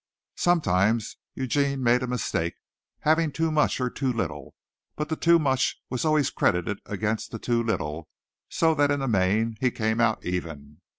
Sometimes Eugene made a mistake, having too much or too little, but the "too much" was always credited against the "too little," so that in the main he came out even.